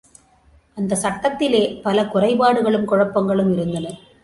அந்த சட்டத்திலே பல குறைபாடுகளும் குழப்பங்களும் இருந்தன.